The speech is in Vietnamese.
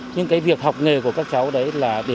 nhưng cái việc học nghề của các cháu là không được học nghề